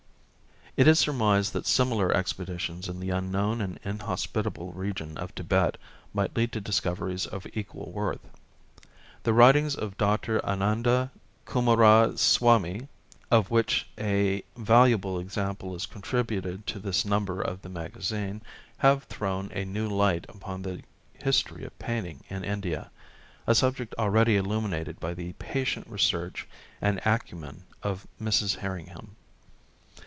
It is surmised that similar expeditions in the unknown and inhospitable region of Tibet might lead to discoveries of equal worth. The writings of Dr. Ananda Coomaraswami, of which a valu able example is contributed to this number of the Magazine, have thrown a new light upon the history of painting in India, a subject already illuminated by the patient research and acumen of Mrs. Herringham.